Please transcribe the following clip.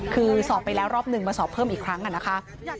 คือสอบไปแล้วรอบหนึ่งมาสอบเพิ่มอีกครั้งนะคะ